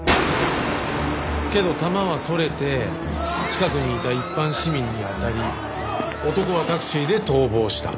けど弾はそれて近くにいた一般市民に当たり男はタクシーで逃亡した。